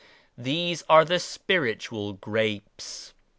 These are the Spiritual 'grapes.'